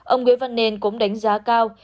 ông nguyễn văn nền cũng đánh giá cao